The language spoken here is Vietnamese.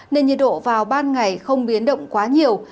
nên nhiệt độ vào ban ngày không biến động quá nhiều